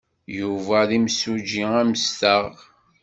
Yuba d imsujji amastaɣ.